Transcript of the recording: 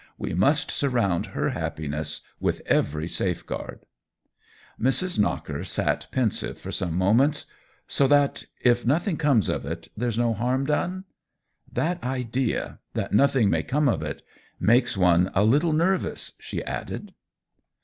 " We must surround her happiness with every safeguard." Mrs. Knocker sat pensive for some mo ments. " So that, if nothing comes of it, there's no harm done ? That idea — that nothing may come of it — makes one a little nervous," she added.